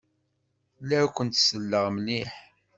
La akent-selleɣ mliḥ.